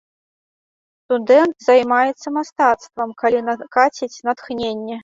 Студэнт займаецца мастацтвам, калі накаціць натхненне.